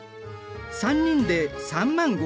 ３人で３万５，０００円。